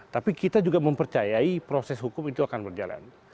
tapi kita juga mempercayai proses hukum itu akan berjalan